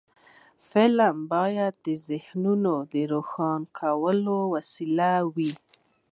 فلم باید د ذهنونو روښانه کولو وسیله وي